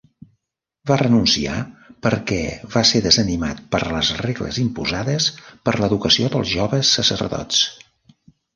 Va renunciar perquè va ser desanimat per les regles imposades per l'educació dels joves sacerdots.